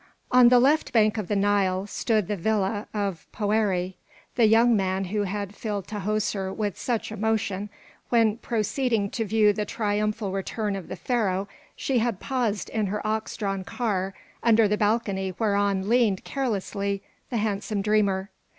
V On the left bank of the Nile stood the villa of Poëri, the young man who had filled Tahoser with such emotion when, proceeding to view the triumphal return of the Pharaoh, she had passed in her ox drawn car under the balcony whereon leaned carelessly the handsome dreamer.